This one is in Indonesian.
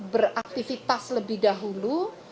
beraktivitas lebih dahulu